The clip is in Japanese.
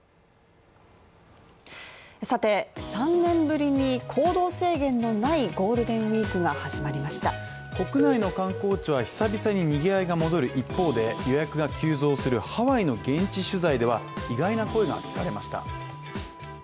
さて、３年ぶりに行動制限のないゴールデンウィークが始まりました国内の観光地は久々ににぎわいが戻る一方で、予約が急増するハワイの現地取材では、意外な声が聞かれました。